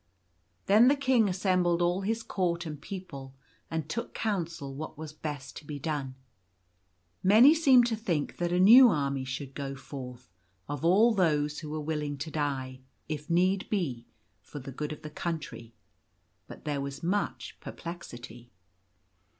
Then the King assembled all his Court and people, and took counsel what was best to be done. Many seemed to think that a new army should go forth of all those who were willing to die, if need be, for the good of the Country ; but there was much perplexity.